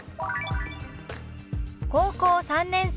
「高校３年生」。